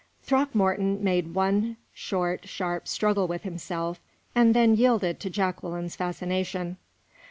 Throckmorton made one short, sharp struggle with himself, and then yielded to Jacqueline's fascination.